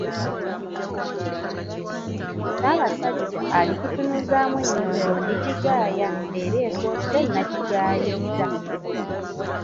“Ssaabasajja alikutunuzaamu ennyondo ndigigaaya era esoose nagigaayizza.